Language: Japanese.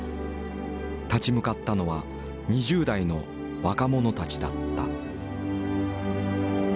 立ち向かったのは２０代の若者たちだった。